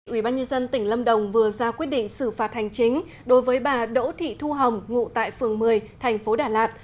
ubnd tỉnh lâm đồng vừa ra quyết định xử phạt hành chính đối với bà đỗ thị thu hồng ngụ tại phường một mươi thành phố đà lạt